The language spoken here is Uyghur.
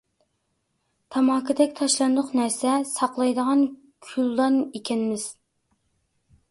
تاماكىدەك تاشلاندۇق نەرسە، ساقلايدىغان «كۈلدان» ئىكەنمىز.